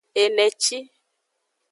Eneci.